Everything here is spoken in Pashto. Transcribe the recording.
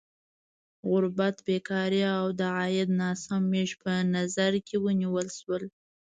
غربت، بېکاري او د عاید ناسم ویش په نظر کې ونیول شول.